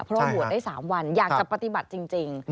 เพราะว่าบวชได้๓วันอยากจะปฏิบัติจริง